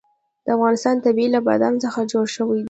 د افغانستان طبیعت له بادام څخه جوړ شوی دی.